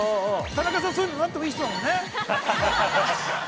◆田中さん、そういうのなってもいい人だもんね。